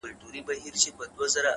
د پلټني سندرماره شـاپـيـرۍ يــارانــو،